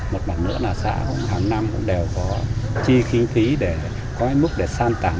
một mặt nữa là xã cũng hàng năm cũng đều có chi khí khí để có mức để san tả